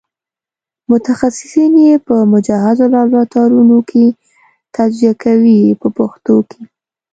متخصصین یې په مجهزو لابراتوارونو کې تجزیه کوي په پښتو کې.